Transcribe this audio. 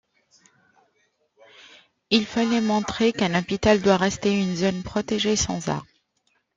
Il fallait montrer qu'un hôpital doit rester une zone protégée, sans armes.